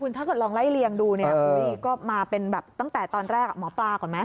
ถ้าเกิดลองไล่เลียงดูเนี่ยก็มาเป็นแบบตั้งแต่ตอนแรกหมอปลาก่อนไหม